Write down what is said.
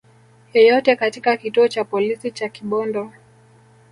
yoyote katika kituo cha polisi cha Kibondo